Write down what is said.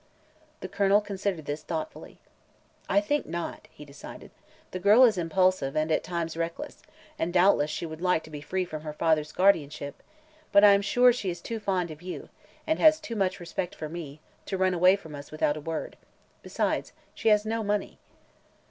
The Colonel considered this thoughtfully. "I think not," he decided. "The girl is impulsive and at times reckless, and doubtless she would like to be free from her father's guardianship; but I am sure she is too fond of you, and has too much respect for me, to run away from us without a word. Besides, she has no money."